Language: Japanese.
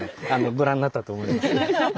ご覧になったと思います。